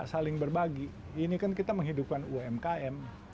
saling berbagi ini kan kita menghidupkan umkm